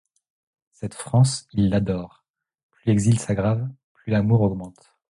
Cette France, ils l'adorent; plus l'exil s'aggrave, plus l'amour augmente.